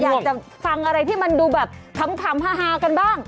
อยากจะฟังอะไรที่มันดูแบบขำฮากันบ้าง